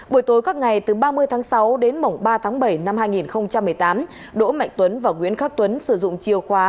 buổi tối các ngày từ ba mươi tháng sáu đến mồng ba tháng bảy năm hai nghìn một mươi tám đỗ mạnh tuấn và nguyễn khắc tuấn sử dụng chiều khóa